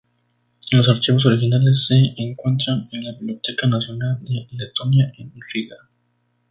Los archivos originales se encuentran en la Biblioteca Nacional de Letonia, en Riga.